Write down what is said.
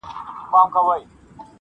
اوس ماشومان وینم له پلاره سره لوبي کوي-